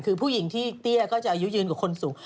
คือผู้หญิงที่เตี้ยก็จะอายุยืนกว่าคนสูง